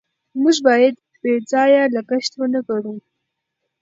موږ باید بې ځایه لګښت ونکړو.